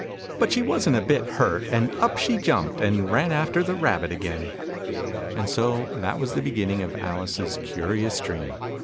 But she wasn't a bit hurt, and up she jumped, and ran after the Rabbit again. And so that was the beginning of Alice's curious dream.